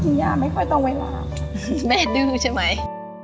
จริงแยะไม่ค่อยต้องเวลาสมัยดูชัยไหม